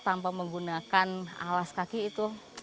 tanpa menggunakan alas kaki itu